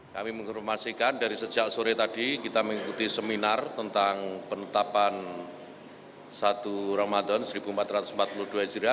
kami menginformasikan dari sejak sore tadi kita mengikuti seminar tentang penetapan satu ramadhan seribu empat ratus empat puluh dua hijriah